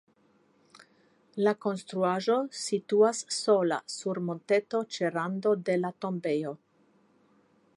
La konstruaĵo situas sola sur monteto ĉe rando de la tombejo.